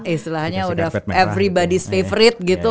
istilahnya udah everybody s favorite gitu